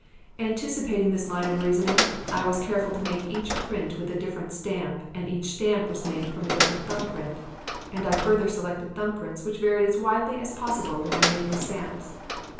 "Anticipating this line of reasoning, I was careful to make each print with a different stamp and each stamp was made from a different thumb print, and I further selected thumb prints which varied as widely as possible when I made the stamps.